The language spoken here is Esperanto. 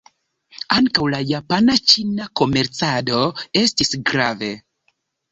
Ankaŭ la japana-ĉina komercado estis grave.